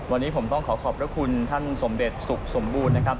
วันนี้ผมต้องขอขอบพระคุณท่านสมเด็จสุขสมบูรณ์นะครับ